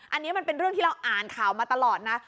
อันนี้มันเป็นเรื่องที่เราอ่านข่าวมาตลอดนะ